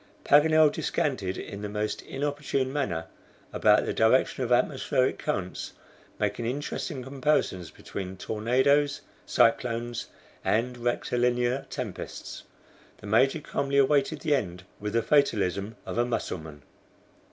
Paganel descanted in the most inopportune manner about the direction of atmospheric currents, making interesting comparisons, between tornadoes, cyclones, and rectilinear tempests. The Major calmly awaited the end with the fatalism of a Mussulman.